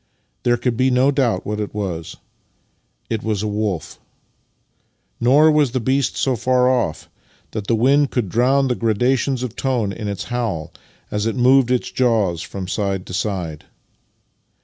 There could be no doubt what it was. It was a wolf. Nor was the beast so far off that the wind could drown the gradations of tone in its howl as it moved its jaws from side to side.